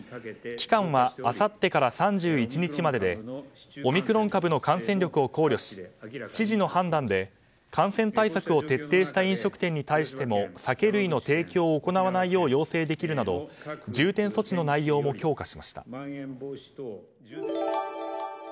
期間はあさってから３１日まででオミクロン株の感染力を考慮し知事の判断で感染対策を徹底した飲食店に対しても酒類の提供を行わないよう要請できるなど重点措置の内容も強化しました。